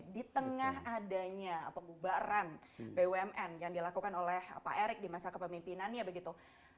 di tengah adanya pembubaran bumn yang dilakukan oleh pak erick di masa kepemimpinannya begitu